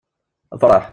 Fṛeḥ!